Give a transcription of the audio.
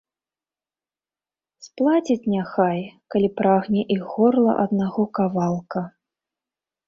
Сплацяць няхай, калі прагне іх горла аднаго кавалка.